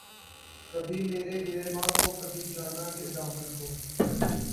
کبھی میرے گریباں کو‘ کبھی جاناں کے دامن کو